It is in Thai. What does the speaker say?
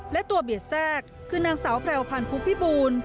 และตัวเบียดแทรกคือนางสาวแพรวพันธ์ภูพิบูล